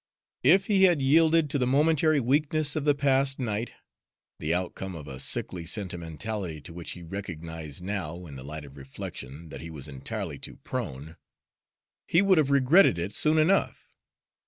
If he had yielded to the momentary weakness of the past night, the outcome of a sickly sentimentality to which he recognized now, in the light of reflection, that he was entirely too prone, he would have regretted it soon enough.